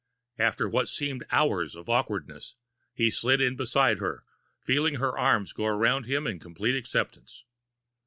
After what seemed hours of awkwardness, he slid in beside her, feeling her arms go around him in complete acceptance.